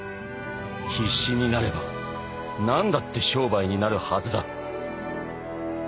「必死になれば何だって商売になるはずだ」。